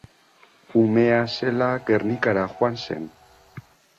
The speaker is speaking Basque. Umea zela Gernikara joan zen.